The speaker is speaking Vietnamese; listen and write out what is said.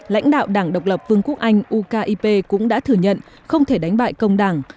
lãnh đạo đảng độc lập vương quốc anh ukip cũng đã thừa nhận không thể đánh bại công đảng